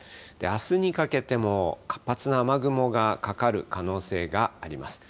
あすにかけても活発な雨雲がかかる可能性があります。